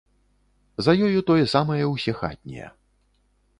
За ёю тое самае ўсе хатнія.